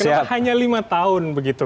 cuma hanya lima tahun begitu